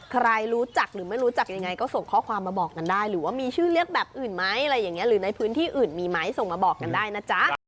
ใครรู้จักหรือไม่รู้จักยังไงก็ส่งข้อความมาบอกกันได้หรือว่ามีชื่อเรียกแบบอื่นไหมอะไรอย่างนี้หรือในพื้นที่อื่นมีไหมส่งมาบอกกันได้นะจ๊ะ